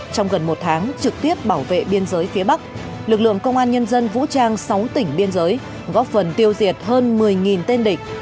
trong gần một tháng trực tiếp bảo vệ biên giới phía bắc lực lượng công an nhân dân vũ trang sáu tỉnh biên giới góp phần tiêu diệt hơn một mươi tên địch